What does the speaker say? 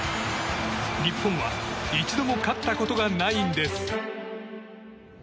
日本は一度も勝ったことがないんです。